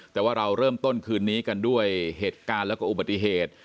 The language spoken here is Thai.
แต่ว่าเราเริ่มต้นคืนนี้กันด้วยเหตุการณ์แล้วก็อุบัติเหตุ